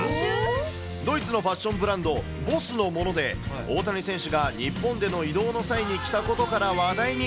ドイツのファッションブランド、ＢＯＳＳのもので、大谷選手が日本での移動の際に着たことから、話題に。